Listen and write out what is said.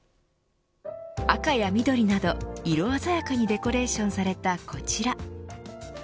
赤や緑など色鮮やかにデコレーションされたこちら。